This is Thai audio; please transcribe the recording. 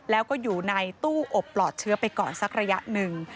แล้วก็อยู่ในตู้อบปลอดเชื้อไปก่อนสักระยะหนึ่ง